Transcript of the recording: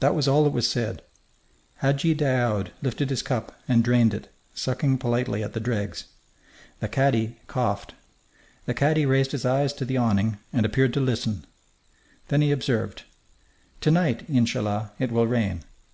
That was all that was said. Hadji Daoud lifted his cup and drained it, sucking politely at the dregs. The cadi coughed. The cadi raised his eyes to the awning and appeared to listen. Then he observed, "To night, in cha 'llah, it will rain."